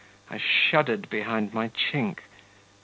(I shuddered behind my chink.)